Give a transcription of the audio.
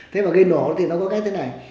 thế mà gây nổ thì nó có cách thế này